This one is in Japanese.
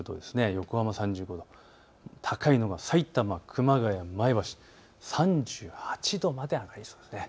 横浜３５度、高いのがさいたま、熊谷、前橋、３８度まで上がりそうです。